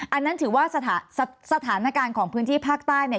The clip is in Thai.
อันนั้นถือว่าสถานการณ์ของพื้นที่ภาคใต้เนี่ย